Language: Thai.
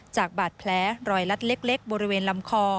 จากบาดแผลรอยลัดเล็กบริเวณลำคอ